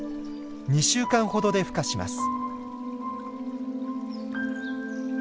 ２週間ほどでふ化します。